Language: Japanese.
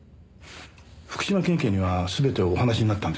福島県警には全てお話しになったんですよね？